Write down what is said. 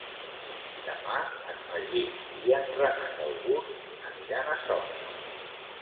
Demà en Magí i en Renat August aniran a Sort.